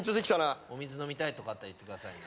お水飲みたいとかあったら言ってくださいね。